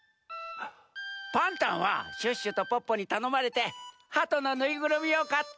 パンタンはシュッシュとポッポにたのまれてハトのぬいぐるみをかって。